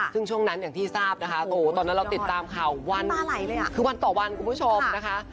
ซึ่งช่วงนั้นอย่างที่ทราบนะคะตอนนั้นเราติดตามข่าววันคือวันต่อวันคุณผู้ชมนะคะ